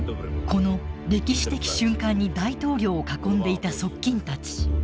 この歴史的瞬間に大統領を囲んでいた側近たち。